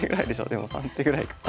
でも３手ぐらいか。